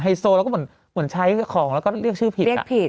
เหมือนใช้ของแล้วก็เรียกชื่อผิดเรียกผิด